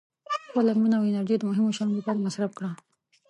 • خپله مینه او انرژي د مهمو شیانو لپاره مصرف کړه.